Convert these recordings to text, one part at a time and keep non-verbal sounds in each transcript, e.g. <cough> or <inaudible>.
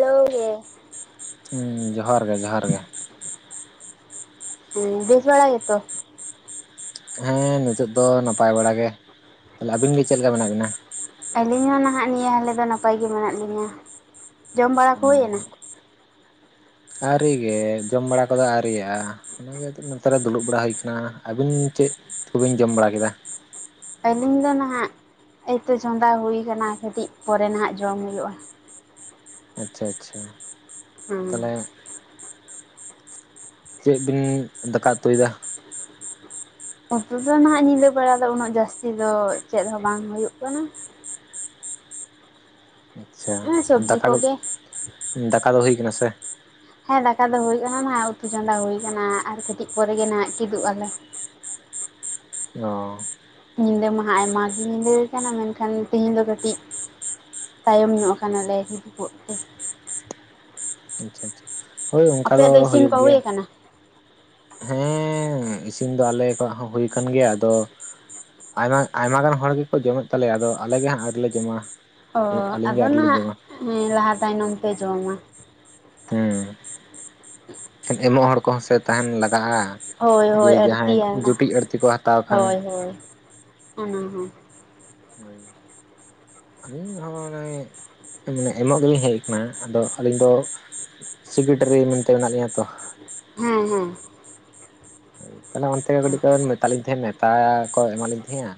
ᱞᱟᱹᱭ ᱜᱮ᱾ ᱦᱩᱸ, ᱡᱚᱦᱟᱨ ᱜᱮ ᱡᱚᱦᱟᱨ ᱜᱮ᱾ ᱦᱩᱸ, ᱵᱮᱹᱥ ᱵᱟᱲᱟ ᱜᱮᱛᱚ? ᱦᱮᱸ ᱱᱤᱛᱳᱜ ᱫᱚ ᱱᱟᱯᱟᱭ ᱵᱟᱲᱟ ᱜᱮ, ᱛᱟᱞᱦᱮ ᱟᱹᱵᱤᱱ ᱜᱮ ᱪᱮᱫ ᱞᱮᱠᱟ ᱢᱮᱱᱟᱜ ᱵᱤᱱᱟ? ᱟᱹᱞᱤᱧ ᱦᱚᱸ ᱱᱟᱦᱟᱜ ᱱᱤᱭᱟᱹ ᱦᱟᱞᱮ ᱫᱚ ᱱᱟᱯᱟᱭ ᱜᱮ ᱢᱮᱱᱟᱜ ᱞᱤᱧᱟᱹ᱾ ᱡᱚᱢ ᱵᱟᱲᱟ ᱠᱚ ᱚ ᱦᱩᱭᱮᱱᱟ? ᱟᱹᱣᱨᱤ ᱜᱮ ᱡᱚᱢ ᱵᱟᱲᱟ ᱠᱚᱫᱚ ᱟᱹᱣᱨᱤᱭᱟᱜ-ᱟ᱾ ᱚᱱᱟᱜᱮ ᱟᱫᱚ ᱱᱮᱛᱟᱨ ᱨᱮ ᱫᱩᱲᱩᱵ ᱵᱟᱲᱟ ᱦᱩᱭ ᱠᱟᱱᱟ᱾ ᱟᱵᱤᱱ ᱪᱮᱫ ᱠᱚᱵᱤᱱ ᱡᱚᱢ ᱵᱟᱲᱟ ᱠᱮᱫᱟ? ᱟᱹᱞᱤᱧ ᱫᱚ ᱱᱟᱦᱟᱜ ᱮᱭᱛᱳ ᱪᱚᱸᱫᱟ ᱦᱩᱭ ᱠᱟᱱᱟ ᱠᱟᱹᱴᱤᱡ ᱯᱚᱨᱮ ᱱᱟᱦᱟᱜ ᱡᱚᱢ ᱦᱩᱭᱩᱜ-ᱟ᱾ ᱟᱪᱪᱷᱟ ᱟᱪᱪᱷᱟ᱾ ᱦᱩᱸ᱾ ᱛᱟᱦᱚᱞᱮ ᱪᱮᱫ ᱵᱤᱱ ᱫᱟᱠᱟ ᱩᱛᱩᱭ ᱫᱟ? ᱩᱛᱩ ᱫᱚ ᱱᱟᱦᱟᱜ ᱧᱤᱫᱟᱹ ᱵᱮᱲᱟ ᱫᱚ ᱩᱱᱟᱹᱜ ᱡᱟᱹᱥᱛᱤ ᱫᱚ ᱪᱮᱫ ᱦᱚᱸ ᱵᱟᱝ ᱦᱩᱭᱩᱜ ᱠᱟᱱᱟ᱾ ᱟᱪᱪᱷᱟ ᱟᱨ ᱥᱚᱵᱽᱡᱤ ᱫᱟᱠᱟ ᱠᱚᱫ ᱠᱚᱜᱮ ᱫᱟᱠᱟ ᱫᱚ ᱦᱩᱭ ᱠᱟᱱᱟ ᱥᱮ? ᱦᱮᱸ ᱫᱟᱠᱟ ᱫᱚ ᱦᱳᱭ ᱠᱟᱱᱟ ᱱᱟᱦᱟᱜ, ᱩᱛᱩ ᱪᱚᱸᱫᱟ ᱦᱩᱭᱩᱭ ᱟᱠᱟᱱᱟ ᱟᱨ ᱠᱟᱹᱴᱤᱡ ᱯᱚᱨᱮ ᱜᱮ ᱱᱟᱦᱟᱜ ᱠᱤᱫᱩᱵ ᱟᱞᱮ᱾ ᱚ᱾ ᱧᱤᱫᱟᱹ ᱢᱟᱦᱟ ᱟᱭᱢᱟ ᱜᱮ ᱧᱤᱫᱟᱹᱣ ᱠᱟᱱᱟ᱾ ᱢᱮᱱᱠᱷᱟᱱ ᱛᱮᱦᱤᱧ ᱫᱚ ᱠᱟᱹᱴᱤᱡ ᱛᱟᱭᱚᱢ ᱧᱚᱜ ᱠᱟᱱᱟᱞᱮ ᱦᱤᱫᱩᱵᱚᱜ ᱛᱮ᱾ ᱟᱪᱪᱷᱟ ᱟᱪᱪᱷᱟ ᱦᱳᱭ ᱚᱱᱠᱟ ᱫᱚ ᱟᱯᱮᱭᱟᱜ ᱤᱥᱤᱱ ᱦᱩᱭᱩᱜ ᱠᱚ ᱦᱩᱭ ᱜᱮᱭᱟ। ᱟᱠᱟᱱᱟ ᱦᱮᱸ ᱤᱥᱤᱱ ᱫᱚ ᱟᱞᱮ ᱠᱚᱣᱟᱜ ᱦᱚᱸ ᱦᱩᱭ ᱟᱠᱟᱱ ᱜᱮᱭᱟ ᱟᱫᱚ ᱟᱭᱢᱟ ᱟᱭᱢᱟ ᱜᱟᱱ ᱦᱚᱲ ᱜᱮᱠᱚ ᱡᱚᱢᱮᱫ ᱛᱟᱞᱮᱭᱟ ᱟᱫᱚ ᱟᱞᱮᱜᱮ ᱦᱟᱸᱜ ᱟᱹᱣᱨᱤᱞᱮ ᱡᱚᱢᱟ᱾ ᱚ ᱟᱹᱞᱤᱧ ᱜᱮ ᱟᱫᱚ ᱟᱹᱣᱨᱤ ᱞᱤᱧ ᱱᱟᱱᱟᱜ ᱡᱚᱢᱟ ᱮᱸ ᱞᱟᱦᱟ ᱛᱟᱭᱱᱚᱢ ᱯᱮ ᱡᱚᱢᱟ᱾ ᱦᱮᱸ᱾ ᱠᱷᱟᱱ ᱮᱢᱚᱜ ᱦᱚᱲ ᱠᱚᱦᱚᱸ ᱥᱮ ᱛᱟᱦᱮᱱ ᱞᱟᱜᱟᱜᱼᱟ, ᱦᱳᱭ ᱡᱮ ᱦᱳᱭ ᱡᱟᱦᱟᱸᱭ ᱟᱹᱲᱛᱤᱭᱟ ᱡᱩᱴᱤᱡ ᱟᱹᱲᱛᱤ ᱠᱚᱭ ᱦᱟᱛᱟᱣ ᱠᱷᱟᱱ᱾ ᱦᱩᱸ ᱦᱩᱸ᱾ ᱦᱚᱭ᱾ ᱟᱹᱞᱤᱧ ᱦᱚᱸ ᱢᱟᱱᱮ ᱢᱟᱱᱮ ᱮᱢᱚᱜ ᱜᱮᱞᱤᱧ ᱦᱮᱡ ᱠᱟᱱᱟ ᱟᱫᱚ ᱟᱹᱞᱤᱧ ᱫᱚ ᱥᱮᱠᱨᱮᱴᱟᱨᱤ ᱢᱮᱱᱛᱮ ᱢᱮᱱᱟᱜ ᱞᱤᱧᱟᱹ ᱛᱚ᱾ ᱦᱮᱸ ᱦᱮᱸ᱾ ᱛᱟᱦᱞᱮ ᱚᱱᱛᱮ ᱜᱮ ᱠᱟᱹᱴᱤᱡ ᱠᱚ ᱢᱮᱛᱟᱞᱤᱧ ᱛᱟᱦᱮᱸᱱᱟ ᱱᱮᱣᱛᱟ ᱠᱚ ᱮᱢᱟᱞᱤᱧ ᱛᱟᱦᱮᱸ-ᱟ᱾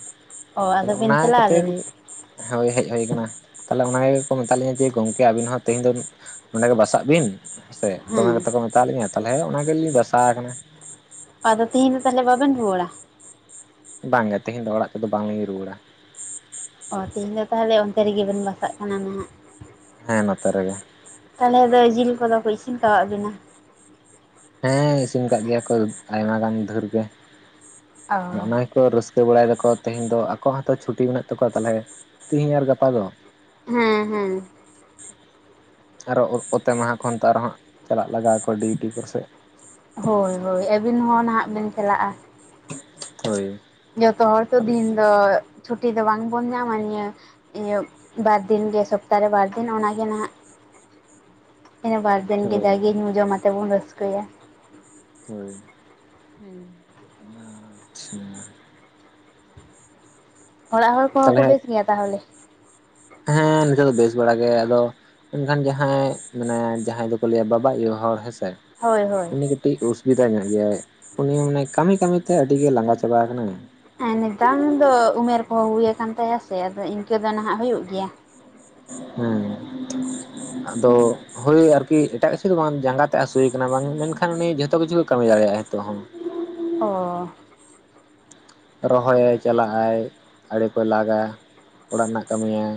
ᱚ ᱛᱟᱞᱦᱮ ᱟᱫᱚ ᱵᱤᱱ ᱚᱱᱟ ᱪᱟᱞᱟᱣ ᱠᱷᱟᱹᱛᱤᱨ ᱞᱮᱱᱟ ᱦᱳᱭ ᱦᱮᱡ ᱦᱩᱭ ᱟᱠᱟᱱᱟ, ᱛᱟᱦᱞᱮ ᱚᱱᱟ ᱜᱮᱠᱚ ᱢᱮᱛᱟᱜ ᱞᱤᱧᱟ ᱡᱮ ᱜᱚᱢᱠᱮ ᱟᱹᱵᱤᱱ ᱦᱚᱸ ᱛᱮᱦᱮᱧ ᱫᱚ ᱚᱸᱰᱮ ᱜᱮ ᱵᱟᱥᱟᱜ ᱵᱤᱱ ᱦᱮᱥᱮ᱾ ᱫᱚᱢᱮ ᱦᱮᱸ ᱜᱟᱛᱮ ᱠᱚ ᱢᱮᱛᱟᱞᱤᱧᱟᱹ ᱛᱟᱞᱦᱮ ᱚᱰᱮᱜᱮᱞᱤᱧ ᱵᱟᱥᱟᱣ ᱠᱟᱱᱟ। ᱟᱫᱚ ᱛᱮᱦᱮᱧ ᱫᱚ ᱛᱟᱦᱮᱞᱮ ᱵᱟᱵᱤᱱ ᱨᱩᱣᱟᱹᱲᱟ? ᱵᱟᱝ ᱜᱮ ᱛᱮᱦᱮᱧ ᱫᱚ ᱚᱲᱟᱜ ᱛᱚᱫᱚ ᱵᱟᱝᱞᱤᱧ ᱨᱩᱣᱟᱹᱲᱟ᱾ ᱚ ᱛᱮᱦᱮᱧ ᱫᱚ ᱛᱟᱦᱮᱞᱮ ᱚᱱᱛᱮ ᱨᱮᱜᱮᱵᱤᱱ ᱵᱟᱥᱟᱜ ᱠᱟᱱᱟ ᱱᱟᱦᱟᱜ᱾ ᱦᱮᱸ ᱱᱚᱛᱮ ᱨᱮᱜᱮ᱾ ᱛᱟᱞᱦᱮ ᱫᱚ ᱡᱤᱞ ᱠᱚᱫᱚ ᱠᱚ ᱤᱥᱤᱱ ᱠᱟᱣᱟᱫ ᱵᱤᱱᱟ? ᱦᱮᱸ ᱤᱥᱤᱱ ᱟᱠᱟᱫ ᱜᱮᱭᱟ ᱠᱚ ᱟᱭᱢᱟ ᱜᱟᱱ ᱫᱷᱮᱨ ᱜᱮ᱾ ᱚ ᱱᱚᱜ-ᱚᱱᱟᱭ ᱠᱚ ᱨᱟᱹᱥᱠᱟᱹ ᱵᱟᱲᱟᱭ ᱫᱟᱠᱚ ᱛᱮᱦᱤᱧ ᱫᱚ ᱟᱠᱚᱣᱟᱜ ᱦᱚᱸᱛᱚ ᱪᱷᱩᱴᱤ ᱢᱮᱱᱟᱜ ᱛᱟᱠᱚᱣᱟ ᱛᱟᱦᱚᱞᱮ ᱛᱤᱦᱤᱧ ᱟᱨ ᱜᱟᱯᱟ ᱫᱚ᱾ ᱦᱮᱸ ᱦᱮᱸ᱾ ᱟᱨᱚ ᱚ-ᱚᱛᱮ ᱢᱟᱦᱟ ᱠᱷᱚᱱ ᱛᱚ ᱟᱨᱚ ᱦᱟᱸᱜ ᱪᱟᱞᱟᱜ ᱞᱟᱜᱟᱣ ᱟᱠᱚᱣᱟ ᱰᱤᱭᱩᱴᱤ ᱠᱚᱥᱮᱫ᱾ ᱦᱳᱭ ᱦᱳᱭ ᱟᱹᱵᱤᱱ ᱦᱚᱸ ᱱᱟᱦᱟᱜ ᱵᱤᱱ ᱪᱟᱞᱟᱜᱼᱟ᱾ ᱦᱳᱭ᱾ ᱡᱚᱛᱚ ᱦᱚᱲ ᱛᱚ ᱦᱳᱭ ᱫᱤᱱ ᱫᱚ ᱪᱷᱩᱴᱤ ᱫᱚ ᱵᱟᱝᱵᱚᱱ ᱧᱟᱢᱟ᱾ ᱱᱤᱭᱟ. ᱤᱭᱟᱹ ᱵᱟᱨᱫᱤᱱ ᱜᱮ ᱥᱚᱯᱛᱟᱦᱚᱨᱮ ᱵᱟᱨ ᱫᱤᱱ ᱚᱱᱟᱜᱮ ᱱᱟᱱᱟᱜᱹ ᱤᱱᱟᱹ ᱵᱟᱨ ᱫᱤᱱ ᱜᱮ ᱡᱟ ᱜᱮ ᱧᱩ-ᱡᱚᱢ ᱟᱛᱮ ᱵᱚᱱ ᱨᱟᱹᱥᱠᱟᱹᱭᱟ᱾ ᱦᱳᱭ᱾ ᱦᱩᱸ᱾ ᱟᱪᱪᱷᱟ᱾ ᱚᱲᱟᱜ ᱦᱚᱲ ᱠᱚᱦᱚᱸ ᱠᱚ ᱛᱟᱦᱚᱞᱮ ᱵᱮᱥ ᱜᱮᱭᱟ ᱛᱟᱦᱚᱞᱮ? ᱦᱮᱸ ᱱᱤᱛᱚᱜ ᱫᱚ ᱵᱮᱥ ᱵᱟᱲᱟ ᱜᱮ ᱟᱫᱚ ᱢᱮᱱᱱᱠᱷᱟᱱ ᱡᱟᱦᱟᱸᱭ ᱢᱮᱱᱟᱭ ᱡᱟᱦᱟᱸᱭ ᱫᱚᱠᱚ ᱞᱟᱹᱭᱟ ᱵᱟᱵᱟ ᱟᱭᱩ ᱦᱚᱲ ᱦᱮᱸᱥᱮ ᱾ ᱦᱳᱭ ᱦᱳᱭ᱾ ᱠᱟᱹᱴᱤᱪ ᱚᱥᱩᱵᱤᱫᱟ ᱧᱚᱜ ᱜᱮᱭᱟᱭ ᱩᱱᱤ ᱢᱟᱱᱮ ᱠᱟᱹᱢᱤ ᱠᱟᱹᱢᱤ ᱛᱮ ᱟᱹᱰᱤ ᱜᱮ ᱞᱟᱸᱜᱟ ᱪᱟᱵᱟ ᱟᱠᱟᱱᱟᱭ। ᱦᱮ ᱱᱮᱛᱟᱨ ᱫᱚ ᱩᱢᱮᱨ ᱠᱚᱦᱚᱸ ᱦᱩᱭᱩ ᱟᱠᱟᱱ ᱛᱟᱭᱟ ᱥᱮ ᱟᱫᱚ ᱤᱱᱠᱟᱹ ᱫᱚ ᱱᱟᱦᱟᱸᱜ ᱦᱩᱭᱩᱜ ᱜᱮᱭᱟ। ᱦᱮᱸ ᱟᱫᱚ ᱦᱳᱭ ᱟᱨᱠᱤ ᱮᱴᱟᱜ ᱠᱤᱪᱷᱩ ᱫᱚ ᱵᱟᱝ ᱡᱟᱸᱜᱟ ᱛᱮᱫ ᱦᱟᱹᱥᱩᱭᱮ ᱠᱟᱱᱟ ᱵᱟᱝ ᱢᱮᱱᱠᱷᱟᱱ ᱩᱱᱤ ᱡᱷᱚᱛᱚ ᱠᱤᱪᱷᱩᱮ ᱠᱟᱹᱢᱤ ᱫᱟᱲᱮᱭᱟᱜ-ᱟ ᱱᱤᱛᱚᱜ ᱦᱚᱸ᱾ ᱚᱻ ᱨᱚᱦᱚᱭᱟᱭ ᱪᱟᱞᱟᱜ-ᱟᱭ ᱟᱲᱮ ᱠᱚᱭ ᱞᱟᱜᱟ ᱚᱲᱟᱜ ᱨᱮᱱᱟᱜ ᱠᱟᱹᱢᱤᱭᱟᱭ।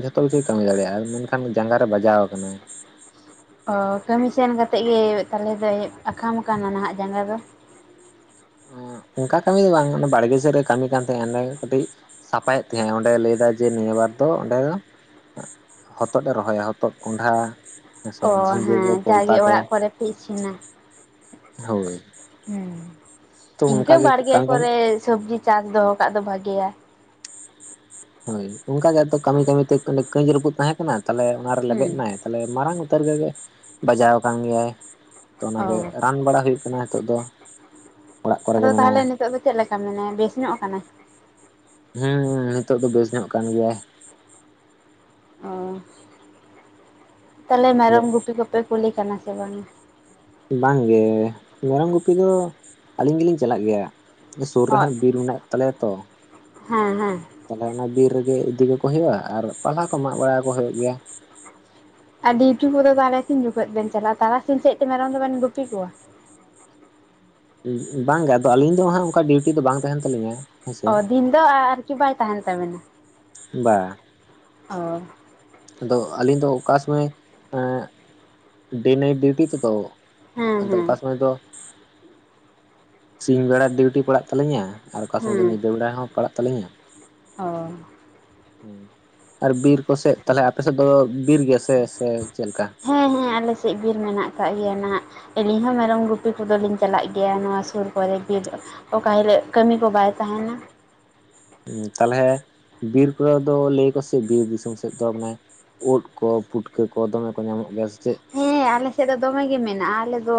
ᱡᱷᱚᱛᱚ ᱠᱤᱪᱷᱩᱭ ᱠᱟᱹᱢᱤ ᱫᱟᱲᱮᱭᱟᱜ-ᱟ। ᱢᱮᱱᱠᱷᱟᱱ ᱡᱟᱸᱝᱜᱟ ᱨᱮ ᱵᱟᱡᱟᱣ ᱟᱠᱟᱱᱟ। ᱚ ᱠᱟᱹᱢᱤ ᱥᱮᱱ ᱠᱟᱛᱮᱫ ᱜᱮ ᱛᱟᱞᱮ ᱫᱚᱭ ᱟᱠᱟᱢ ᱟᱠᱟᱱᱟ ᱱᱟᱦᱟᱸᱜ ᱡᱟᱸᱜᱟ ᱫᱚ? ᱮᱸ ᱚᱱᱠᱟ ᱠᱟᱹᱢᱤ ᱫᱚ ᱵᱟᱝ ᱵᱟᱲᱜᱮ ᱥᱮᱫ ᱨᱮ ᱠᱟᱹᱢᱤ ᱠᱟᱱ ᱛᱟᱦᱮᱸᱱᱟ ᱚᱰᱮ ᱠᱟᱹᱴᱤᱡ ᱥᱟᱯᱷᱟᱭᱮᱫ ᱛᱟᱦᱮᱸᱜ ᱚᱸᱰᱮ ᱞᱟᱹᱭ ᱫᱟᱭ ᱡᱮ ᱱᱤᱭᱟᱹ ᱵᱟᱨ ᱫᱚ ᱚᱸᱰᱮ ᱦᱚᱛᱚᱫ ᱮ ᱨᱚᱦᱚᱭᱟ ᱦᱚᱛᱚᱫ ᱠᱚᱸᱰᱷᱟ᱾ ᱦᱮᱸᱥᱮ ᱚ ᱡᱷᱤᱸᱜᱟᱹ ᱦᱮᱸ ᱠᱚ ᱡᱟᱜᱮ ᱯᱚᱞᱛᱟ ᱚᱲᱟᱜ ᱠᱚ ᱠᱚᱨᱮ ᱯᱮ ᱤᱥᱤᱱᱟ᱾ ᱦᱳᱭ ᱦᱮᱸ ᱛᱚ ᱤᱱᱠᱟᱹ ᱚᱱᱠᱟᱜᱮ ᱵᱟᱲᱜᱮ ᱠᱟᱹᱢᱤ ᱠᱟᱹᱢᱤ ᱠᱚᱨᱮ ᱥᱚᱵᱽᱡᱤ ᱪᱟᱥ ᱫᱚᱦᱚᱠᱟᱜ ᱫᱚ ᱵᱷᱟᱜᱮᱭᱟ᱾ ᱦᱳᱭ ᱚᱱᱠᱟ ᱜᱮ ᱟᱛᱚ ᱠᱟᱹᱢᱤ ᱠᱟᱹᱢᱤᱛᱮ ᱠᱟᱹᱡ ᱨᱟᱹᱯᱩᱫ ᱛᱟᱦᱮᱸ ᱠᱟᱱᱟ ᱛᱟᱦᱚᱞᱮ ᱚᱱᱟᱨᱮ ᱞᱮᱵᱮᱫ ᱦᱩᱸ ᱮᱱᱟᱭ ᱛᱟᱞᱮ ᱢᱟᱨᱟᱝ ᱩᱛᱟᱹᱨ ᱜᱮᱜᱮ ᱵᱟᱡᱟᱣ ᱟᱠᱟᱱ ᱜᱮᱭᱟᱭ ᱛᱚ ᱚᱱᱟᱜᱮ ᱚ ᱨᱟᱱ ᱵᱟᱲᱟ ᱦᱩᱭᱩᱜ ᱠᱟᱱᱟ ᱱᱤᱛᱚᱜ ᱫᱚ᱾ ᱚᱲᱟᱜ ᱠᱚᱨᱮ ᱟᱫᱚ ᱜᱮ ᱢᱮᱱᱟᱭᱟ ᱛᱟᱦᱚᱞᱮ ᱱᱤᱛᱚᱜ ᱫᱚ ᱪᱮᱫ ᱞᱮᱠᱟ ᱢᱮᱱᱟᱭᱟ ᱵᱮᱥ ᱧᱚᱜ ᱠᱟᱱᱟᱭ? ᱦᱮᱸ ᱱᱤᱛᱚᱜ ᱫᱚ ᱵᱮᱥ ᱧᱚᱜ ᱠᱟᱱ ᱜᱮᱭᱟᱭ᱾ ᱚ ᱛᱟᱦᱚᱞᱮ ᱢᱮᱨᱚᱢ ᱜᱩᱯᱤ ᱠᱚᱯᱮ ᱠᱳᱞᱮ ᱠᱟᱱᱟ ᱥᱮ ᱵᱟᱝᱟ? ᱵᱟᱝ ᱜᱮ ᱢᱮᱨᱚᱢ ᱜᱩᱯᱤ ᱫᱚ ᱟᱹᱞᱤᱧ ᱜᱮᱞᱤᱧ ᱪᱟᱞᱟᱜ ᱜᱮᱭᱟ᱾ ᱥᱩᱨ ᱨᱮ ᱦᱚᱸ ᱦᱟᱸᱜ ᱵᱤᱨ ᱢᱮᱱᱟᱜ ᱛᱟᱞᱮᱭᱟ ᱛᱚ᱾ ᱦᱮᱸ ᱦᱮᱸ ᱛᱟᱦᱚᱞᱮ ᱚᱱᱟ ᱵᱤᱨ ᱨᱮᱜᱮ ᱤᱫᱤ ᱠᱟᱠᱚ ᱦᱩᱭᱩᱜ-ᱟ ᱟᱨ ᱯᱟᱞᱦᱟ ᱠᱚ ᱢᱟᱜ ᱵᱟᱲᱟᱠᱚ ᱦᱩᱭᱩᱜ ᱜᱮᱭᱟ᱾ ᱟᱨ ᱰᱤᱭᱩᱴᱤ ᱠᱚᱫᱚ ᱛᱟᱦᱚᱞᱮ ᱛᱤᱱ ᱡᱚᱠᱷᱚᱡ ᱵᱮᱱ ᱪᱟᱞᱟᱜ-ᱟ ᱛᱟᱨᱟᱥᱤᱧ ᱥᱮᱫ ᱛᱮ ᱢᱮᱨᱚᱢ ᱫᱚᱵᱮᱱ ᱜᱩᱯᱤ ᱠᱚᱣᱟ᱾ ᱵᱟᱝᱜᱮ ᱟᱫᱚ ᱟᱹᱞᱤᱧ ᱫᱚ ᱦᱟᱸᱜ ᱚᱱᱠᱟ ᱰᱤᱭᱩᱴᱤ ᱫᱚ ᱵᱟᱝ ᱛᱟᱦᱮᱱ ᱛᱟᱹᱞᱤᱧᱟ᱾ ᱦᱮᱸᱥᱮ ᱚ ᱫᱤᱱ ᱫᱚ ᱟᱨᱠᱤ ᱵᱟᱭ ᱛᱟᱦᱮᱱ ᱛᱟᱵᱤᱱᱟ᱾ ᱵᱟᱝ ᱟᱫᱚ ᱟᱹᱞᱤᱧ ᱫᱚ ᱚᱠᱟ ᱥᱚᱢᱚᱭ ᱮᱸ ᱰᱮ ᱱᱟᱭᱤᱴ ᱰᱤᱭᱩᱴᱤ ᱦᱮᱸ <inaudible> ᱟᱫᱚ ᱦᱮᱸ ᱚᱠᱟ ᱥᱚᱢᱚᱭ ᱫᱚ ᱥᱤᱧ ᱵᱮᱲᱟ ᱰᱤᱭᱩᱴᱤ ᱯᱟᱲᱟᱜ ᱛᱟᱹᱞᱤᱧᱟ ᱟᱨ ᱚᱠᱟ ᱥᱚᱢᱚᱭ ᱫᱚ ᱧᱤᱫᱟᱹ ᱵᱮᱲᱟ ᱦᱚᱸ ᱯᱟᱲᱟᱜ ᱛᱟᱹᱞᱤᱧᱟ᱾ ᱚᱻ ᱟᱨ ᱵᱤᱨ ᱠᱚᱥᱮᱫ ᱛᱟᱦᱚᱞᱮ ᱟᱯᱮ ᱥᱮᱫ ᱫᱚ ᱵᱤᱨ ᱜᱮᱭᱟ ᱥᱮ ᱥᱮ ᱪᱮᱫ ᱞᱮᱠᱟ? ᱦᱮᱸ ᱦᱮᱸ ᱟᱞᱮ ᱥᱮᱫ ᱵᱤᱨ ᱢᱮᱱᱟᱜ ᱟᱠᱟᱜ ᱜᱮᱭᱟ ᱱᱟᱦᱟᱸᱜ᱾ ᱟᱹᱞᱤᱧ ᱦᱚᱸ ᱢᱮᱨᱚᱢ ᱜᱩᱯᱤ ᱠᱚᱫᱚᱞᱤᱧ ᱪᱟᱞᱟᱜ ᱜᱮᱭᱟ, ᱱᱚᱣᱟ ᱥᱩᱨ ᱠᱚᱨᱮ ᱵᱤᱨ ᱚᱠᱟ ᱦᱤᱞᱳᱜ ᱠᱟᱹᱢᱤ ᱠᱚ ᱵᱟᱭ ᱛᱟᱦᱮᱱᱟ᱾ ᱛᱟᱦᱞᱮ ᱵᱤᱨ ᱠᱚᱨᱮ ᱫᱚ ᱞᱟᱹᱭ ᱟᱠᱚ ᱥᱮ ᱵᱤᱨ ᱫᱤᱥᱚᱢ ᱥᱮᱫ ᱫᱚ ᱢᱟᱱᱮ ᱳᱫ ᱠᱚ ᱯᱩᱴᱠᱟᱹ ᱠᱚ ᱫᱚᱢᱮ ᱠᱚ ᱧᱟᱢᱚᱜ ᱜᱮᱭᱟ ᱥᱮ ᱪᱮᱫ? ᱦᱮᱸ ᱟᱞᱮ ᱥᱮᱫ ᱫᱚ ᱫᱚᱢᱮᱜ ᱜᱮ ᱢᱮᱱᱟᱜ-ᱟ, ᱟᱞᱮ ᱫᱚ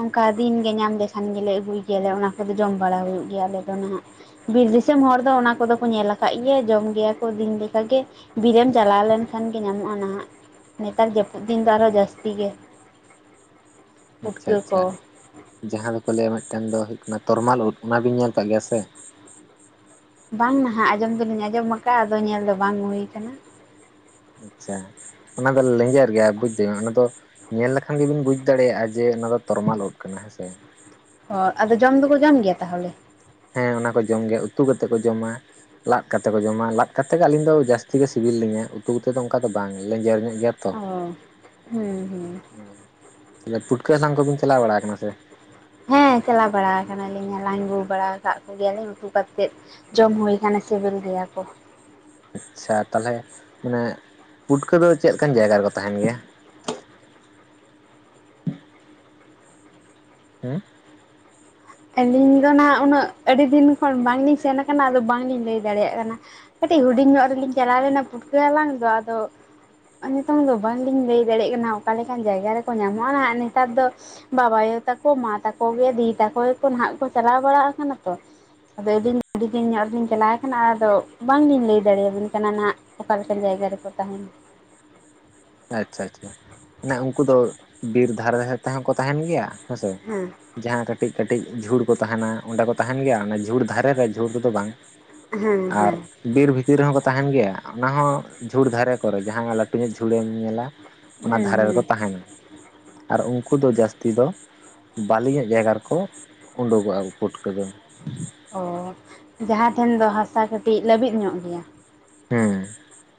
ᱚᱱᱠᱟ ᱫᱤᱱ ᱜᱮ ᱧᱟᱢ ᱞᱮᱠᱷᱟᱱ ᱜᱮᱞᱮ ᱟᱹᱜᱩᱭ ᱜᱮᱭᱟ, ᱟᱞᱮ ᱚᱱᱟ ᱠᱚᱫᱚ ᱡᱚᱢ ᱵᱟᱲᱟ ᱦᱩᱭᱩᱜ ᱜᱮᱭᱟ ᱟᱞᱮ ᱫᱚ ᱱᱟᱦᱟᱸᱜ᱾ ᱵᱤᱨ ᱫᱤᱥᱚᱢ ᱦᱚᱲ ᱫᱚ ᱚᱱᱟ ᱠᱚᱫᱚ ᱠᱚ ᱧᱮᱞ ᱟᱠᱟᱫ ᱜᱮᱭᱟ ᱡᱚᱢ ᱜᱮᱭᱟ ᱠᱚ ᱫᱤᱱ ᱞᱮᱠᱟ ᱜᱮ᱾ ᱵᱤᱨ ᱨᱮᱢ ᱪᱟᱞᱟᱣ ᱞᱮᱱᱠᱷᱟᱱ ᱜᱮ ᱧᱟᱢᱚᱜ-ᱟ ᱱᱟᱦᱟᱸᱜ ᱱᱮᱛᱟᱨ ᱡᱟᱹᱯᱩᱫ ᱫᱤᱱ ᱫᱚ ᱟᱨᱦᱚᱸ ᱡᱟᱹᱥᱛᱤ᱾ ᱡᱟᱹᱥᱛᱤ ᱜᱮ᱾ ᱟᱪᱪᱷᱟ ᱯᱩᱴᱠᱟᱹ ᱟᱪᱪᱷᱟ ᱠᱚ ᱡᱟᱦᱟᱸ ᱫᱚᱠᱚ ᱞᱟᱹᱭᱟ ᱢᱤᱫᱴᱮᱱ ᱫᱚ ᱦᱩᱭᱩᱜ ᱠᱟᱱᱟ ᱛᱚᱨᱢᱟᱞ ᱳᱫ ᱚᱱᱟ ᱵᱤᱱ ᱧᱮᱞ ᱟᱠᱟᱫ ᱜᱮᱭᱟ ᱥᱮ? ᱵᱟᱝ ᱱᱟᱦᱟᱜ ᱟᱸᱡᱚᱢ ᱫᱚᱞᱤᱧ ᱟᱸᱡᱚᱢ ᱟᱠᱟᱜᱼᱟ ᱟᱫᱚ ᱧᱮᱞ ᱫᱚ ᱵᱟᱝ ᱦᱩᱭ ᱟᱠᱟᱱᱟ ᱾ ᱟᱪᱪᱷᱟ ᱚᱱᱟ ᱫᱚ ᱞᱮᱸᱡᱮᱨ ᱜᱮᱭᱟ ᱵᱩᱡ ᱫᱟᱹᱧ ᱚᱱᱟ ᱫᱚ ᱧᱮᱞ ᱞᱮᱠᱷᱟᱱ ᱜᱮᱵᱤᱱ ᱵᱩᱡᱽ ᱫᱟᱲᱮᱭᱟᱜᱼᱟ ᱡᱮ ᱚᱱᱟ ᱫᱚ ᱛᱚᱨᱢᱟᱞ ᱩᱫᱽ ᱠᱟᱱᱟ ᱦᱮᱸᱥᱮ ᱾ ᱚ ᱟᱫᱚ ᱡᱚᱢ ᱫᱚᱠᱚ ᱡᱚᱢ ᱜᱮᱭᱟ ᱛᱟᱦᱚᱞᱮ ᱾ ᱦᱮᱸ ᱚᱱᱟ ᱠᱚ ᱡᱚᱢ ᱜᱮᱭᱟ ᱩᱛᱩ ᱠᱟᱛᱮᱫ ᱠᱚ ᱡᱚᱢᱟ ᱾ ᱞᱟᱜ ᱠᱟᱛᱮ ᱠᱚ ᱡᱚᱢᱟ ᱞᱟᱜ ᱠᱟᱛᱮ ᱜᱮ ᱟᱹᱞᱤᱧ ᱫᱚ ᱡᱟᱹᱥᱛᱤ ᱜᱮ ᱥᱤᱵᱤᱞ ᱞᱤᱧᱟᱹ ᱩᱛᱩ ᱛᱮᱫᱚ ᱚᱱᱠᱟ ᱫᱚ ᱵᱟᱝ ᱞᱮᱹᱡᱮᱨ ᱧᱚᱜ ᱜᱮᱭᱟ ᱾ ᱚ ᱦᱩᱸ ᱦᱩᱸ ᱚᱱᱮ ᱯᱩᱴᱠᱟᱹ ᱦᱟᱞᱟᱝ ᱠᱚᱵᱤᱱ ᱪᱟᱞᱟᱣ ᱵᱟᱲᱟ ᱠᱟᱱᱟ ᱥᱮ ᱾ ᱦᱮᱸ ᱪᱟᱞᱟᱣ ᱵᱟᱲᱟ ᱟᱠᱟᱱᱟ ᱞᱤᱧᱟ ᱦᱟᱞᱟᱝ ᱟᱹᱜᱩ ᱵᱟᱲᱟ ᱟᱠᱟᱜ ᱠᱚᱜᱮᱭᱟ ᱞᱤᱧ ᱩᱛᱩ ᱠᱟᱛᱮᱫ ᱡᱚᱢ ᱦᱩᱭ ᱠᱟᱱᱟ ᱥᱤᱵᱤᱞ ᱜᱮᱭᱟ ᱠᱚ ᱾ ᱟᱪᱪᱷᱟ ᱛᱟᱦᱚᱞᱮ ᱢᱟᱱᱮ ᱯᱩᱴᱠᱟᱹ ᱫᱚ ᱪᱮᱫ ᱞᱮᱠᱟᱱ ᱡᱟᱭᱜᱟ ᱨᱮᱠᱚ ᱛᱟᱦᱮᱱ ᱜᱮᱭᱟ ᱾ <inaudible> ᱟᱹᱞᱤᱧ ᱫᱚ ᱱᱟᱜ ᱩᱱᱟᱹᱜ ᱟᱹᱰᱤ ᱫᱤᱱ ᱠᱷᱚᱱ ᱵᱟᱝᱞᱤᱧ ᱥᱮᱱ ᱟᱠᱟᱱᱟ ᱟᱫᱚ ᱵᱟᱝᱞᱤᱧ ᱞᱟᱹᱭ ᱫᱟᱲᱮᱭᱟᱜ ᱠᱟᱱᱟ ᱾ ᱠᱟᱹᱴᱤᱡ ᱦᱩᱰᱤᱧ ᱧᱚᱜ ᱨᱮᱞᱤᱧ ᱪᱟᱞᱟᱣ ᱞᱮᱱᱟ ᱯᱩᱴᱠᱟᱹ ᱦᱟᱞᱟᱝ ᱫᱚ ᱟᱫᱚ ᱱᱤᱛᱚᱝ ᱫᱚ ᱵᱟᱝᱞᱤᱧ ᱞᱟᱹᱭ ᱫᱟᱲᱮᱭᱟᱜ ᱠᱟᱱᱟ ᱚᱠᱟ ᱞᱮᱠᱟᱱ ᱡᱟᱭᱜᱟ ᱨᱮᱠᱚ ᱧᱟᱢᱚᱜᱼᱟ ᱱᱮᱛᱟᱨ ᱫᱚ ᱾ ᱵᱟᱵᱟᱭᱳ ᱛᱟᱠᱚ ᱢᱟ ᱛᱟᱠᱚ ᱜᱮ ᱫᱤᱫᱤ ᱛᱟᱠᱚ ᱜᱮᱠᱚ ᱦᱟᱸᱜ ᱠᱚ ᱪᱟᱞᱟᱣ ᱵᱟᱲᱟ ᱠᱟᱱᱟ ᱛᱚ ᱾ ᱟᱫᱚ ᱟᱹᱞᱤᱧ ᱟᱹᱰᱤ ᱫᱤᱱ ᱧᱚᱜ ᱨᱮᱞᱤᱧ ᱪᱟᱞᱟᱣ ᱠᱟᱱᱟ ᱟᱫᱚ ᱵᱟᱝᱞᱤᱧ ᱞᱟᱹᱭ ᱫᱟᱲᱮᱭᱟ ᱵᱤᱱ ᱠᱟᱱᱟ ᱱᱟᱦᱟᱜ ᱾ ᱚᱠᱟ ᱞᱮᱠᱟᱱ ᱡᱟᱭᱜᱟ ᱨᱮᱠᱚ ᱛᱟᱦᱮᱱᱟ ᱾ ᱟᱪᱪᱷᱟ ᱟᱪᱪᱷᱟ ᱢᱟᱱᱮ ᱩᱱᱠᱩ ᱫᱚ ᱵᱤᱨ ᱫᱷᱟᱨᱮ ᱫᱷᱟᱨᱮ ᱛᱮᱦᱚᱸ ᱠᱚ ᱛᱟᱦᱮᱱ ᱜᱮᱭᱟ ᱦᱮᱸᱥᱮ ᱾ ᱦᱮᱸ ᱡᱟᱦᱟᱸ ᱠᱟᱹᱴᱤᱡ ᱠᱟᱹᱴᱤᱡ ᱡᱷᱩᱲ ᱠᱚ ᱛᱟᱦᱮᱱᱟ ᱚᱸᱰᱮ ᱠᱚ ᱛᱟᱦᱮᱱ ᱜᱮᱭᱟ ᱚᱱᱟ ᱡᱷᱩᱲ ᱫᱷᱟᱨᱮ ᱨᱮ ᱡᱷᱩᱲ ᱨᱮᱫᱚ ᱵᱟᱝ ᱦᱮᱸ ᱾ ᱟᱨ ᱦᱮᱸ ᱵᱤᱨ ᱵᱷᱤᱛᱤᱨ ᱨᱮᱦᱚᱸ ᱠᱚ ᱛᱟᱦᱮᱱ ᱜᱮᱭᱟ ᱚᱱᱟ ᱦᱚᱸ ᱡᱷᱩᱲ ᱫᱷᱟᱨᱮ ᱠᱚᱨᱮ ᱡᱟᱦᱟᱸ ᱞᱟᱹᱴᱩ ᱧᱚᱜ ᱡᱷᱩ ᱫᱷᱩᱲᱮᱢ ᱧᱮᱞᱟ ᱚᱱᱟ ᱦᱩᱸ ᱫᱷᱟᱨᱮ ᱦᱩᱸ ᱨᱮᱠᱚ ᱛᱟᱦᱮᱱᱟ ᱟᱨ ᱩᱱᱠᱩ ᱫᱚ ᱡᱟᱹᱥᱛᱤ ᱫᱚ ᱵᱟᱹᱞᱤ ᱧᱚᱜ ᱡᱟᱭᱜᱟ ᱨᱮᱠᱚ ᱩᱰᱠᱚᱜ-ᱟ ᱯᱩᱴᱠᱟᱹ ᱫᱚ ᱾ ᱚ ᱡᱟᱦᱟᱸ ᱴᱷᱮᱱ ᱫᱚ ᱦᱟᱥᱟ ᱠᱟᱹᱴᱤᱡ ᱞᱟᱹᱵᱤᱫ ᱧᱚᱜ ᱜᱮᱭᱟ ᱾ ᱦᱮᱸ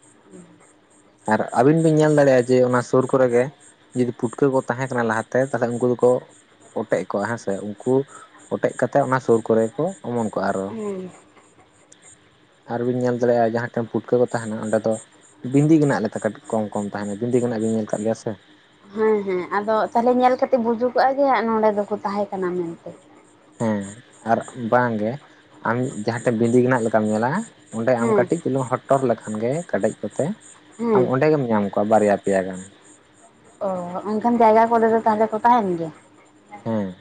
<inaudible> ᱟᱨ ᱟᱹᱵᱤᱱ ᱵᱤᱱ ᱧᱮᱞ ᱫᱟᱲᱮᱭᱟᱜ-ᱟ ᱡᱮ ᱚᱱᱟ ᱥᱩᱨ ᱠᱚᱨᱮ ᱜᱮ ᱾ ᱡᱩᱫᱤ ᱯᱩᱴᱠᱟᱹ ᱠᱚ ᱛᱟᱦᱮᱸ ᱠᱟᱱᱟ ᱞᱟᱦᱟᱛᱮ ᱛᱟᱦᱚᱞᱮ ᱩᱱᱠᱩ ᱫᱚᱠᱚ ᱚᱴᱮᱡ ᱠᱚᱜ-ᱟ ᱦᱮᱸ ᱥᱮ ᱩᱱᱠᱩ ᱚᱴᱮᱡ ᱠᱟᱛᱮ ᱚᱱᱟ ᱥᱩᱨ ᱠᱚᱨᱮ ᱠᱚ ᱚᱢᱚᱱ ᱠᱚᱜ-ᱟ ᱟᱨᱚ ᱾ ᱦᱩᱸ ᱟᱨ ᱵᱤᱱ ᱧᱮᱞ ᱫᱟᱲᱮᱭᱟᱜ-ᱟ ᱡᱟᱦᱟᱸ ᱴᱷᱮᱱ ᱯᱩᱴᱠᱟᱹ ᱠᱚ ᱛᱟᱦᱮᱱᱟ ᱚᱸᱰᱮ ᱫᱚ ᱵᱤᱱᱫᱤ ᱜᱮᱱᱟᱜ ᱞᱮᱠᱟ ᱠᱟᱴ ᱠᱚᱢ ᱠᱚᱢ ᱛᱟᱦᱮᱱᱟ ᱵᱤᱱᱫᱤ ᱜᱟᱱᱟᱜ ᱵᱮᱱ ᱧᱮᱞ ᱟᱠᱟᱜ ᱜᱮᱭᱟ ᱥᱮ ᱾ ᱦᱮᱸ ᱦᱮᱸ ᱟᱫᱚ ᱛᱟᱦᱚᱞᱮ ᱧᱮᱞ ᱠᱟᱛᱮᱜ ᱵᱩᱡᱩᱜᱚᱜ-ᱟ ᱡᱮ ᱱᱚᱰᱮ ᱫᱚᱠᱚ ᱛᱟᱦᱮᱸ ᱠᱟᱱᱟ ᱢᱮᱱᱛᱮ ᱾ ᱦᱮᱸ ᱟᱨ ᱵᱟᱝ ᱜᱮ ᱟᱢ ᱡᱟᱦᱟᱸ ᱴᱷᱮᱡ ᱵᱤᱱᱫᱤ ᱜᱟᱱᱚᱜ ᱞᱮᱠᱟᱢ ᱧᱮᱞ-ᱟ ᱾ ᱚᱸᱰᱮ ᱟᱢ ᱦᱮᱸ ᱠᱟᱹᱴᱤᱡ ᱪᱩᱞᱩᱝ ᱦᱚᱴᱚᱨ ᱞᱮᱠᱷᱟᱱ ᱜᱮ ᱠᱟᱰᱮᱡ ᱠᱚᱛᱮ ᱦᱮᱸ ᱟᱢ ᱚᱸᱰᱮ ᱜᱮᱢ ᱧᱟᱢ ᱠᱚᱣᱟ ᱵᱟᱨᱭᱟ ᱯᱮᱭᱟ ᱜᱟᱱ ᱾ ᱚ ᱚᱱᱠᱷᱟᱱ ᱡᱟᱭᱜᱟ ᱠᱚᱨᱮ ᱫᱚ ᱛᱟᱦᱚᱞᱮ ᱠᱚ ᱛᱟᱦᱮᱱ ᱜᱮᱭᱟ ᱾ ᱦᱮᱸ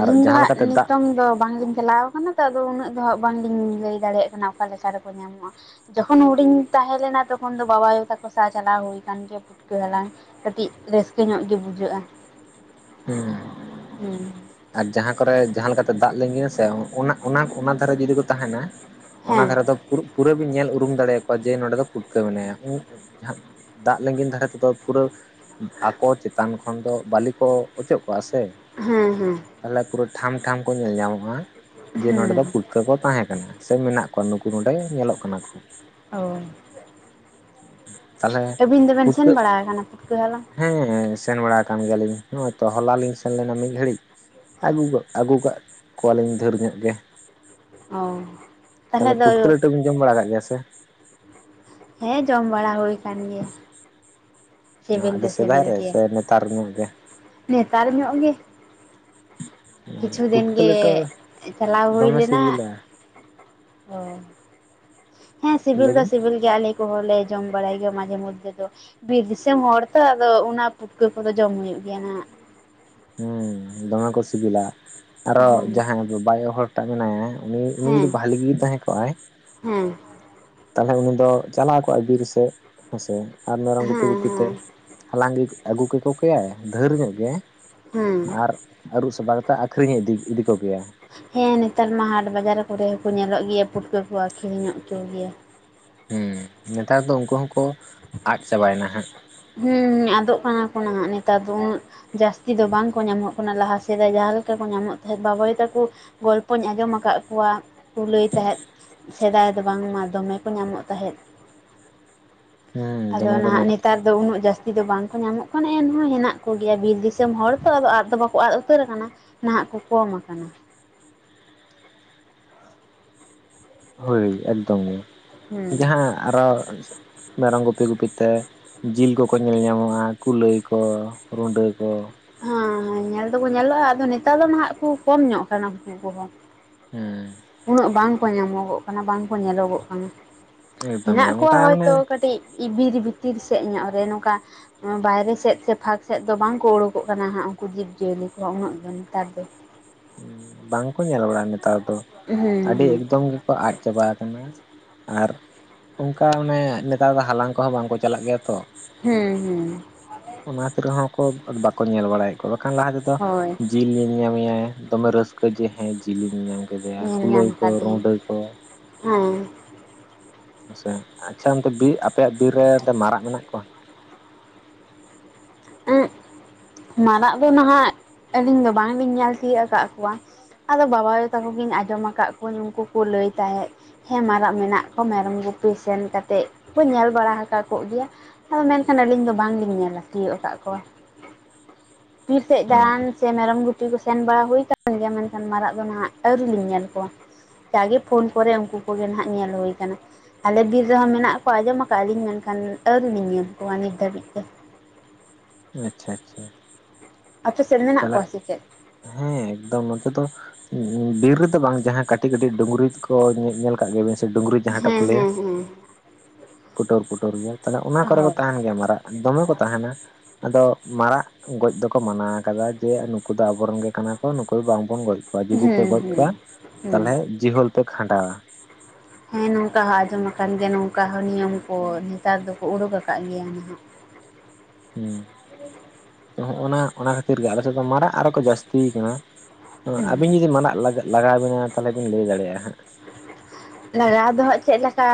ᱟᱨ ᱫᱚ ᱡᱟᱦᱟᱸ ᱦᱟᱸᱜ ᱞᱮᱠᱟᱛᱮ ᱫᱟᱜ ᱱᱤᱛᱚᱝ ᱫᱚ ᱵᱟᱝᱞᱤᱧ ᱪᱟᱞᱟᱣ ᱚᱱᱟᱛᱮ ᱟᱫᱚ ᱩᱱᱟᱹᱜ ᱫᱚ ᱦᱟᱸᱜ ᱵᱟᱝᱞᱤᱧ ᱞᱟᱹᱭ ᱫᱟᱲᱮᱭᱟᱜ ᱠᱟᱱᱟ ᱚᱠᱟ ᱞᱮᱠᱟ ᱨᱮᱠᱚ ᱧᱟᱢᱚᱜ-ᱟ᱾ ᱡᱚᱠᱷᱚᱱ ᱦᱩᱰᱤᱧ ᱛᱟᱦᱮᱸ ᱞᱮᱱᱟ ᱛᱚᱠᱷᱚᱱ ᱫᱚ ᱵᱟᱵᱟ ᱟᱭᱳ ᱛᱟᱠᱚ ᱥᱟᱶ ᱪᱟᱞᱟᱣ ᱦᱩᱭ ᱠᱟᱱ ᱜᱮᱭᱟ ᱯᱩᱴᱠᱟᱹ ᱦᱟᱞᱟᱝ ᱾ ᱠᱟᱹᱴᱤᱡ ᱨᱟᱹᱥᱠᱟᱹ ᱧᱚᱜ ᱜᱮ ᱵᱩᱡᱷᱟᱹᱜ-ᱟ᱾ <unintelligible> ᱟᱨ ᱡᱟᱦᱟᱸ ᱠᱚᱨᱮ ᱡᱟᱦᱟᱸ ᱞᱮᱠᱟᱛᱮ ᱫᱟᱜ ᱞᱤᱸᱜᱤ ᱟᱥᱮ ᱚᱱᱟ ᱚᱱᱟ ᱚᱱᱟ ᱫᱷᱟᱨᱮ ᱡᱩᱫᱤ ᱠᱚ ᱛᱟᱦᱮᱱᱟ ᱾ ᱚᱱᱟ ᱦᱮᱸ ᱫᱷᱟᱨᱮ ᱫᱚ ᱯᱩᱨᱟᱹ ᱯᱩᱨᱟᱹ ᱵᱤᱱ ᱧᱮᱞ ᱩᱨᱩᱢ ᱫᱟᱲᱮᱭᱟ ᱠᱚᱣᱟ ᱡᱮ ᱱᱚᱸᱰᱮ ᱫᱚ ᱯᱩᱴᱠᱟᱹ ᱢᱮᱱᱟᱭᱟ ᱾ ᱫᱟᱜ ᱞᱤᱸᱜᱤᱱ ᱫᱷᱟᱨᱮ ᱛᱮᱫᱚ ᱯᱩᱨᱟᱹ ᱟᱠᱚ ᱪᱮᱛᱟᱱ ᱠᱷᱚᱱ ᱫᱚ ᱵᱟᱹᱞᱤ ᱠᱚ ᱚᱪᱚᱜ ᱠᱚᱜ-ᱟ ᱥᱮ ᱦᱮᱸᱻ ᱦᱮᱸ᱾ ᱛᱟᱦᱚᱞᱮ ᱯᱩᱨᱟᱹ ᱴᱷᱟᱢ ᱴᱷᱟᱢ ᱠᱚ ᱧᱮᱞ ᱧᱟᱢᱚᱜ-ᱟ ᱡᱮ ᱱᱚᱰᱮ ᱦᱮᱸ ᱫᱚ ᱯᱚᱴ ᱠᱚ ᱛᱟᱦᱮᱸ ᱠᱟᱱᱟ ᱥᱮ ᱢᱮᱱᱟᱜ ᱠᱚᱣᱟ ᱱᱩᱠᱩ ᱱᱚᱰᱮ ᱧᱮᱞᱚᱜ ᱠᱟᱱᱟ ᱠᱚ᱾ ᱦᱳᱭ᱾ ᱛᱟᱦᱚᱞᱮ ᱟᱹᱵᱤᱱ ᱫᱚᱵᱮᱱ ᱥᱮᱱ ᱵᱟᱲᱟ ᱟᱠᱟᱱᱟ ᱯᱩᱴᱠᱟᱹ ᱦᱟᱞᱟᱝ? ᱦᱮᱸ ᱦᱮᱸ ᱥᱮᱱ ᱵᱟᱲᱟ ᱟᱠᱟᱱ ᱜᱮᱭᱟᱞᱤᱧ ᱱᱚᱜ-ᱚᱭ ᱛᱚ ᱦᱚᱞᱟ ᱞᱤᱧ ᱥᱮᱱ ᱞᱮᱱᱟ ᱢᱤᱫ ᱜᱷᱟᱹᱲᱤᱡ, ᱟᱹᱜᱩ ᱠᱟᱜ ᱟᱹᱜᱩ ᱠᱟᱜ ᱠᱚᱣᱟ ᱞᱤᱧ ᱫᱷᱮᱨ ᱧᱚᱜ ᱜᱮ, ᱚ <inaudible> ᱛᱟᱦᱚᱞᱮ ᱯᱩᱴᱠᱟᱹ ᱞᱮᱴᱟ ᱵᱤᱱ ᱡᱚᱢ ᱵᱟᱲᱟ ᱠᱟᱜ ᱜᱮᱭᱟ ᱥᱮ? ᱦᱮᱸ ᱡᱚᱢ ᱵᱟᱲᱟ ᱦᱩᱭ ᱠᱟᱱ ᱜᱮᱭᱟ᱾ ᱥᱤᱵᱤᱞ ᱟᱹᱰᱤ ᱫᱚ ᱥᱮᱫᱟᱭ ᱥᱤᱵᱤᱞ ᱨᱮ ᱜᱮᱭᱟ ᱥᱮ ᱱᱮᱛᱟᱨ ᱧᱚᱜ ᱜᱮ, ᱱᱮᱛᱟᱨ ᱧᱚᱜ ᱜᱮ, ᱠᱤᱪᱷᱩ ᱫᱤᱱ ᱯᱩᱴᱠᱟᱹ ᱜᱮ ᱞᱮᱴᱚ ᱪᱟᱞᱟᱣ ᱦᱩᱭ ᱫᱚᱢᱮ ᱞᱮᱱᱟ᱾ ᱥᱤᱵᱤᱞᱟ ᱚᱻ <inaudible> ᱦᱮᱸ ᱥᱤᱵᱤᱞ ᱫᱚ ᱞᱟᱹᱭᱵᱤᱱ ᱥᱤᱵᱤᱞ ᱜᱮᱭᱟ ᱟᱞᱮ ᱠᱚᱦᱚᱸ ᱞᱮ ᱡᱚᱢ ᱵᱟᱲᱟᱭ ᱜᱮᱭᱟ ᱢᱟᱡᱷᱮ ᱢᱚᱫᱽᱫᱷᱮ ᱫᱚ᱾ ᱵᱤᱨ ᱫᱤᱥᱚᱢ ᱦᱚᱲ ᱛᱚ ᱟᱫᱚ ᱚᱱᱟ ᱯᱩᱴᱠᱟᱹ ᱠᱚᱫᱚ ᱡᱚᱢ ᱦᱩᱭᱩᱜ ᱜᱮᱭᱟ ᱦᱟᱸᱜ᱾ ᱦᱮᱸ ᱫᱚᱢᱮ ᱠᱚ ᱥᱤᱵᱤᱞᱟ ᱟᱨᱚ ᱦᱮᱸ ᱡᱟᱦᱟᱸᱭ ᱵᱟᱵᱟ ᱟᱭᱳ ᱦᱚᱲ ᱴᱟᱜ ᱢᱮᱱᱟᱭᱟ ᱩᱱᱤ ᱩᱱᱤ ᱦᱮᱸ ᱡᱩᱫᱤ ᱵᱷᱟᱞᱤ ᱜᱮ ᱛᱟᱦᱮᱸ ᱠᱚᱜ-ᱟᱭ, ᱦᱮᱸ᱾ ᱛᱟᱦᱚᱞᱮ ᱩᱱᱤ ᱫᱚ ᱪᱟᱞᱟᱣ ᱠᱚᱜ-ᱟᱭ ᱵᱤᱨ ᱥᱮᱫ ᱦᱮᱸᱥᱮ ᱟᱨ ᱢᱮᱨᱚᱢ ᱜᱩᱯᱤ ᱦᱮᱸ ᱜᱩᱯᱤ ᱛᱮ, ᱦᱮᱸ ᱦᱟᱞᱟᱝ ᱜᱮ ᱟᱹᱜᱩ ᱠᱮᱠᱚ ᱠᱮᱭᱟᱭ ᱫᱷᱟᱹᱨ ᱧᱚᱜ ᱜᱮ ᱦᱮᱸ ᱟᱨ ᱟᱹᱨᱩᱵ ᱥᱟᱵᱟ ᱠᱟᱛᱮᱫ ᱟᱹᱠᱷᱨᱤᱧ ᱤᱫᱤ ᱤᱫᱤ ᱠᱚᱜᱮᱭᱟ᱾ ᱦᱮᱸ ᱱᱮᱛᱟᱨ ᱢᱟ ᱦᱟᱴ ᱵᱟᱡᱟᱨ ᱠᱚᱨᱮ ᱦᱚᱸᱠᱚ ᱧᱮᱞᱚᱜ ᱜᱮᱭᱟ ᱯᱩᱴᱠᱟᱹ ᱠᱚ ᱟᱹᱠᱷᱨᱤᱧᱚᱜ ᱠᱚ ᱜᱮᱭᱟ᱾ ᱦᱩᱸ ᱱᱮᱛᱟᱨ ᱫᱚ ᱩᱱᱠᱩ ᱦᱚᱸᱠᱚ ᱟᱫ ᱪᱟᱵᱟᱭᱮᱱᱟ ᱦᱟᱸᱜ, ᱦᱩᱸᱻ ᱦᱩᱸ ᱟᱫᱚᱜ ᱠᱟᱱᱟ ᱠᱚ ᱱᱟᱦᱟᱜ ᱱᱮᱛᱟᱨ ᱫᱚ ᱩᱱᱟᱹᱜ ᱡᱟᱹᱥᱛᱤ ᱫᱚ ᱵᱟᱝᱠᱚ ᱧᱟᱢᱚᱜ ᱠᱟᱱᱟ ᱞᱟᱦᱟ ᱥᱮᱫᱟᱭ ᱡᱟᱦᱟᱸ ᱞᱮᱠᱟ ᱠᱚ ᱧᱟᱢᱚᱜ ᱛᱟᱦᱮᱸᱫ ᱵᱟᱵᱟᱭᱩ ᱛᱟᱠᱚ ᱜᱚᱞᱯᱚᱧ ᱟᱸᱡᱚᱢ ᱟᱠᱟᱫ ᱠᱚᱣᱟ᱾ ᱠᱚ ᱞᱟᱹᱭ ᱛᱟᱦᱮᱸᱫ ᱥᱮᱫᱟᱭ ᱫᱚ ᱵᱟᱝᱢᱟ ᱫᱚᱢᱮ ᱠᱚ ᱧᱟᱢᱚᱜ ᱛᱟᱦᱮᱸᱫ᱾ ᱦᱩᱸ ᱟᱫᱚ ᱫᱚᱢᱮ ᱠᱚ ᱱᱟᱦᱟᱜ ᱧᱟᱢᱚᱜ ᱱᱤᱛ ᱛᱟᱦᱮᱸᱫ ᱟᱫᱚ ᱩᱱᱟᱹᱜ ᱡᱟᱹᱥᱛᱤ ᱫᱚ ᱵᱟᱝᱠᱚ ᱧᱟᱢᱚᱜ ᱠᱟᱱᱟ ᱮᱱᱦᱚᱸ ᱦᱮᱱᱟᱜ ᱠᱚᱜᱮᱭᱟ ᱵᱤᱨ ᱫᱤᱥᱚᱢ ᱦᱚᱲ ᱛᱚ ᱟᱫᱚ ᱟᱫ ᱫᱚ ᱵᱟᱠᱚ ᱟᱫ ᱩᱛᱟᱹᱨ ᱟᱠᱟᱱᱟ, ᱱᱟᱦᱟᱜ ᱠᱚ ᱠᱚᱢ ᱟᱠᱟᱱᱟ᱾ ᱦᱳᱭ ᱮᱠᱫᱚᱢ ᱦᱩᱸ ᱜᱮ ᱡᱟᱦᱟᱸ ᱟᱨᱚ ᱢᱮᱨᱚᱢ ᱜᱩᱯᱤ ᱜᱩᱯᱤ ᱛᱮ, ᱡᱤᱞ ᱠᱚᱠᱚ ᱧᱮᱞ ᱧᱟᱢᱚᱜ-ᱟ, ᱠᱩᱞᱟᱹᱭ ᱠᱚ ᱨᱩᱰᱟᱹ ᱠᱚ᱾ ᱦᱮᱸ ᱦᱮᱸ ᱧᱮᱞ ᱫᱚᱠᱚ ᱧᱮᱞᱚᱜ-ᱟ ᱟᱫᱚ ᱱᱮᱛᱟᱨ ᱫᱚ ᱱᱟᱦᱟᱜ ᱠᱚ ᱠᱚᱢ ᱧᱚᱜ ᱟᱠᱟᱱᱟ ᱩᱱᱠᱩ ᱠᱚᱦᱚᱸ᱾ ᱦᱮᱸ᱾ ᱩᱱᱟᱹᱜ ᱵᱟᱝ ᱠᱚ ᱧᱟᱢᱚᱜᱚᱜ ᱠᱟᱱᱟ ᱵᱟᱝ ᱠᱚ ᱧᱮᱞᱚᱜᱚᱜ ᱠᱟᱱᱟ <inaudible> ᱮᱠᱫᱚᱢ ᱦᱮᱱᱟᱜ ᱜᱮ ᱠᱚᱣᱟ ᱚᱱᱠᱟ ᱦᱚᱭᱛᱚ ᱢᱟᱱᱮ ᱠᱟᱹᱴᱤᱡ, ᱤᱵᱤᱨ ᱵᱷᱤᱛᱤᱨ ᱥᱮᱫ ᱧᱚᱜ ᱨᱮ ᱱᱚᱝᱠᱟ ᱵᱟᱭᱨᱮ ᱥᱮᱫ ᱥᱮ ᱯᱷᱟᱸᱠ ᱥᱮᱫ ᱫᱚ ᱵᱟᱝᱠᱚ ᱩᱰᱩᱠᱚᱜ ᱠᱟᱱᱟ ᱦᱟᱸᱜ ᱩᱱᱠᱩ ᱡᱤᱵᱽ ᱡᱤᱭᱟᱹᱞᱤ ᱠᱚᱦᱚᱸ ᱩᱱᱟᱹᱜ ᱜᱮ ᱱᱮᱛᱟᱨ ᱫᱚ, ᱦᱩᱸ ᱵᱟᱝᱠᱚ ᱧᱮᱞ ᱵᱟᱲᱟᱜ-ᱟ ᱱᱮᱛᱟᱨ ᱫᱚ ᱦᱩᱸ ᱟᱹᱰᱤ ᱦᱩᱸ ᱮᱠᱫᱚᱢ ᱜᱮᱠᱚ ᱟᱫ ᱪᱟᱵᱟ ᱟᱠᱟᱱᱟ᱾ ᱟᱨ <inaudible> ᱚᱱᱠᱟ ᱚᱱᱮ ᱱᱮᱛᱟᱨ ᱫᱚ ᱦᱟᱞᱟᱝ ᱠᱚᱦᱚᱸ ᱵᱟᱝᱠᱚ ᱪᱟᱞᱟᱜ ᱜᱮᱭᱟ ᱛᱚ, ᱦᱮᱸ ᱻᱦᱮᱸ᱾ ᱚᱱᱟᱛᱮ ᱨᱮᱦᱚᱸ ᱠᱚ ᱵᱟᱠᱚ ᱧᱮᱞ ᱵᱟᱲᱟᱭᱮᱫ ᱠᱚᱣᱟ ᱵᱟᱠᱷᱟᱱ ᱞᱟᱦᱟ ᱛᱮᱫᱚ ᱦᱳᱭ᱾ ᱡᱤᱞ ᱤᱧ ᱧᱟᱢᱮᱭᱟ ᱫᱚᱢᱮ ᱨᱟᱹᱥᱠᱟᱹ ᱡᱮ ᱦᱮᱸ ᱡᱤᱞ ᱤᱧ ᱧᱟᱢ ᱠᱮᱫᱮᱭᱟ, ᱧᱮᱞ ᱧᱟᱢ ᱠᱩᱞᱟᱹᱭ ᱠᱚ ᱠᱟᱫᱤᱧ ᱨᱩᱰᱟᱹ ᱠᱚ ᱦᱮᱸ ᱟᱪᱪᱷᱟ ᱟᱪᱪᱷᱟ ᱚᱱᱛᱮ ᱵᱤᱨ ᱟᱯᱮᱭᱟᱜ ᱵᱤᱨ ᱨᱮ ᱚᱱᱛᱮ ᱢᱟᱨᱟᱜ ᱢᱮᱱᱟᱜ ᱠᱚᱣᱟ <unintelligible> ᱢᱟᱨᱟᱜ ᱫᱚ ᱱᱟᱦᱟᱜ ᱟᱹᱞᱤᱧ ᱫᱚ ᱵᱟᱝᱞᱤᱧ ᱧᱮᱞ ᱛᱤᱭᱟᱹᱜ ᱟᱠᱟᱫ ᱠᱚᱣᱟ ᱟᱫᱚ ᱵᱟᱵᱟ ᱟᱭᱳ ᱛᱟᱠᱚ ᱜᱮᱧ ᱟᱸᱡᱚᱢ ᱟᱠᱟᱫ ᱠᱚᱣᱟᱹᱧ ᱩᱱᱠᱩ ᱠᱚ ᱞᱟᱹᱭ ᱛᱟᱦᱮᱸᱫ ᱦᱮᱸ ᱢᱟᱨᱟᱜ ᱢᱮᱱᱟᱜ ᱠᱚᱣᱟ ᱢᱮᱨᱚᱢ ᱜᱩᱯᱤ ᱥᱮᱱ ᱠᱟᱛᱮᱫ ᱠᱚ ᱧᱮᱞ ᱵᱟᱲᱟ ᱦᱟᱠᱟᱜ ᱠᱚᱜ ᱜᱮᱭᱟ ᱦᱮᱸ ᱢᱮᱱᱠᱷᱟᱱ ᱟᱹᱞᱤᱧ ᱫᱚ ᱵᱟᱝᱞᱤᱧ ᱧᱮᱞ ᱛᱤᱭᱳᱜ ᱟᱠᱟᱜ ᱠᱚᱣᱟ ᱵᱤᱨ ᱥᱮᱫ ᱚ ᱫᱟᱬᱟᱱ ᱥᱮ ᱢᱮᱨᱚᱢ ᱜᱩᱯᱤ ᱠᱚ ᱥᱮᱱ ᱵᱟᱲᱟ ᱦᱩᱭ ᱟᱠᱟᱱ ᱜᱮᱭᱟ ᱢᱮᱱᱠᱷᱟᱱ ᱢᱟᱨᱟᱜ ᱫᱚ ᱱᱟᱦᱟᱜ ᱟᱹᱣᱨᱤ ᱞᱤᱧ ᱧᱮᱞ ᱠᱚᱣᱟ ᱡᱟᱜᱮ ᱯᱷᱳᱱ ᱠᱚᱨᱮ ᱩᱱᱠᱩ ᱠᱚᱜᱮ ᱱᱟᱦᱟᱜ ᱧᱮᱞ ᱦᱩᱭ ᱠᱟᱱᱟ ᱟᱞᱮ ᱵᱤᱨ ᱨᱮᱦᱚᱸ ᱢᱮᱱᱟᱜ ᱠᱚᱣᱟ ᱟᱸᱡᱚᱢ ᱟᱠᱟᱫ-ᱟ ᱞᱤᱧ ᱢᱮᱱᱠᱷᱟᱱ ᱟᱹᱣᱨᱤ ᱞᱤᱧ ᱧᱮᱞ ᱠᱚᱣᱟ ᱱᱤᱛ ᱫᱷᱟᱹᱵᱤᱡ ᱛᱮ ᱟᱪᱪᱷᱟ ᱟᱪᱪᱷᱟ ᱟᱯᱮ ᱥᱮᱫ ᱢᱮᱱᱟᱜ ᱛᱟᱦᱚᱞᱮ ᱠᱚᱣᱟ ᱥᱮᱪᱮᱫ ᱦᱮᱸ ᱮᱠᱫᱚᱢ ᱱᱚᱛᱮ ᱫᱚ ᱵᱤᱨ ᱨᱮᱫᱚ ᱵᱟᱝ ᱡᱟᱦᱟᱸ ᱠᱟᱹᱴᱤᱡ ᱠᱟᱹᱴᱤᱡ ᱰᱩᱝᱨᱤ ᱠᱚ ᱧᱮ ᱧᱮᱞ ᱠᱟᱜ ᱜᱮᱵᱮᱱ ᱥᱮ ᱰᱩᱝᱨᱤ ᱡᱟᱦᱟᱸᱴᱟᱜ ᱠᱚ ᱦᱮᱸ ᱞᱟᱹᱭᱟ ᱦᱮᱸ ᱦᱮᱸ ᱠᱩᱴᱩᱨ ᱠᱩᱴᱩᱨ ᱜᱮᱭᱟ ᱛᱟᱦᱚᱞᱮ ᱚᱱᱟ ᱠᱚᱨᱮ ᱠᱚ ᱦᱳᱭ ᱛᱟᱦᱮᱱ ᱜᱮᱭᱟ ᱢᱟᱨᱟᱜ ᱫᱚᱢᱮ ᱠᱚ ᱛᱟᱦᱮᱱᱟ ᱟᱫᱚ ᱢᱟᱨᱟᱜ ᱜᱚᱡ ᱫᱚᱠᱚ ᱢᱟᱱᱟ ᱠᱟᱫᱟ ᱡᱮ ᱱᱩᱠᱩ ᱫᱚ ᱟᱵᱚ ᱨᱮᱱ ᱜᱮ ᱠᱟᱱᱟ ᱠᱚ ᱱᱩᱠᱩ ᱵᱟᱝᱵᱚᱱ ᱜᱚᱡ ᱠᱚᱣᱟ ᱡᱩᱫᱤ ᱯᱮ ᱦᱩᱸ ᱜᱚᱡ ᱦᱩᱸ ᱠᱚᱣᱟ ᱦᱩᱸ ᱛᱟᱦᱚᱞᱮ ᱡᱤᱦᱳᱞ ᱯᱮ ᱠᱷᱟᱸᱰᱟᱣᱟ᱾ ᱦᱮᱸ ᱱᱚᱝᱠᱟ ᱦᱚᱸ ᱟᱸᱡᱚᱢ ᱟᱠᱟᱱ ᱜᱮᱭᱟ ᱱᱚᱝᱠᱟ ᱦᱚᱸ ᱱᱤᱭᱚᱢ ᱠᱚ ᱱᱮᱛᱟᱨ ᱫᱚᱠᱚ ᱩᱰᱩᱠ ᱟᱠᱟᱫ ᱜᱮᱭᱟ ᱱᱟᱦᱟᱜ ᱦᱩᱸ ᱛᱚ ᱦᱚᱸᱜ ᱱᱟ ᱚᱱᱟ ᱠᱷᱟᱹᱛᱤᱨ ᱜᱮ ᱟᱞᱮ ᱥᱮᱫ ᱫᱚ ᱢᱟᱨᱟᱜ ᱟᱨᱚ ᱠᱚ ᱡᱟᱥᱛᱤᱭ ᱠᱟᱱᱟ ᱦᱩᱸ ᱟᱵᱤᱱ ᱡᱩᱫᱤ ᱢᱟᱱᱟᱜ ᱞᱟᱜ ᱞᱟᱜᱟᱣ ᱵᱤᱱᱟ ᱛᱟᱦᱚᱞᱮ ᱵᱤᱱ ᱞᱟᱹᱭ ᱫᱟᱲᱮᱭᱟᱜ-ᱟ ᱦᱟᱸᱜ ᱞᱟᱜᱟᱣ ᱫᱚ ᱦᱟᱸᱜ ᱪᱮᱫ ᱞᱮᱠᱟ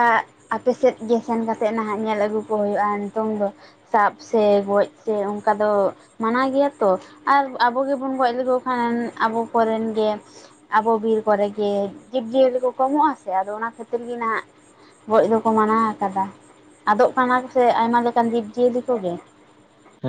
ᱟᱯᱮ ᱥᱮᱫ ᱜᱮ ᱥᱮᱱ ᱠᱟᱛᱮᱫ ᱱᱟᱦᱟᱜ ᱧᱮᱞ ᱟᱹᱜᱩ ᱠᱚ ᱦᱩᱭᱩᱜ-ᱟ ᱱᱤᱛᱚᱝ ᱫᱚ ᱥᱟᱵ ᱥᱮ ᱜᱚᱡ ᱥᱮ ᱚᱱᱠᱟ ᱫᱚ ᱢᱟᱱᱟ ᱜᱮᱭᱟ ᱛᱚ ᱟᱨ ᱟᱵᱚ ᱜᱮᱵᱚᱱ ᱜᱚᱡ ᱞᱮᱠᱚ ᱠᱷᱟᱱ ᱟᱵᱚ ᱠᱚᱨᱮᱱ ᱜᱮ‌ ᱟᱵᱚ ᱵᱤᱨ ᱠᱚᱨᱮᱜᱮ ᱡᱤᱵᱽ ᱡᱤᱭᱟᱹᱞᱤ ᱠᱚ ᱠᱚᱢᱚᱜ ᱟᱥᱮ ᱟᱫᱚ ᱚᱱᱟ ᱠᱷᱟᱹᱛᱤᱨ ᱜᱮ ᱱᱟᱦᱟᱜ ᱜᱚᱡ ᱫᱚᱠᱚ ᱢᱟᱱᱟ ᱟᱠᱟᱫᱟ ᱟᱫᱚᱜ ᱠᱟᱱᱟ ᱠᱚ ᱥᱮ ᱟᱭᱢᱟ ᱞᱮᱠᱟᱱ ᱡᱤᱵᱽ ᱡᱤᱭᱟᱹᱞᱤ ᱠᱚᱜᱮ